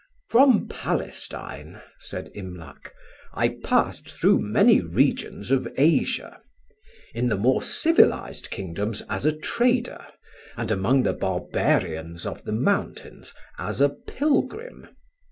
"From Palestine," said Imlac, "I passed through many regions of Asia; in the more civilised kingdoms as a trader, and among the barbarians of the mountains as a pilgrim.